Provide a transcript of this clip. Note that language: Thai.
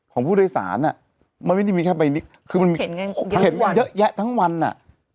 ของผู้โดยสารอ่ะมันไม่ได้มีแค่ใบนี้คือมันเห็นกันเยอะแยะทั้งวันอ่ะ